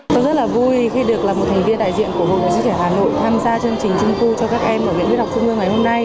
tôi rất là vui khi được là một thành viên đại diện của hội nhà sách trẻ hà nội tham gia chương trình trung thu cho các em ở viện huyết học trung ương ngày hôm nay